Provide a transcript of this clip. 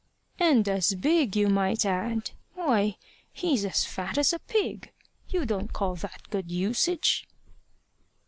"And as big, you might add. Why, he's as fat as a pig! You don't call that good usage!"